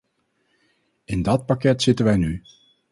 In dat parket zitten wij nu.